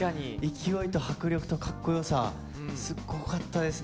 勢いと迫力とかっこよさ、すごかったですね。